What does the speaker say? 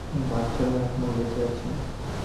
বাচ্চারা এখনও বেঁচে আছে।